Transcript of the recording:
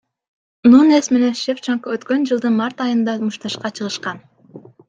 Нунес менен Шевченко өткөн жылдын март айында мушташка чыгышкан.